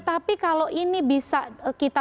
tapi kalau ini bisa kita